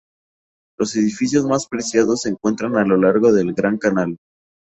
Los edificios más preciados se encuentran a lo largo del Gran Canal.